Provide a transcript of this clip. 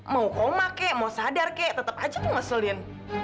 mau koma kek mau sadar kek tetep aja tuh ngeselin